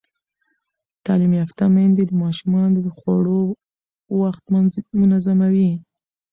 تعلیم یافته میندې د ماشومانو د خوړو وخت منظموي.